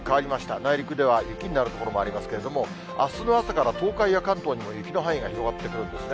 内陸では雪になる所もありますけれども、あすの朝から東海や関東にも雪の範囲が広がってくるんですね。